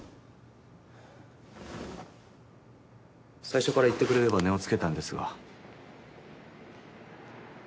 最初から言ってくれれば値を付けたんですが。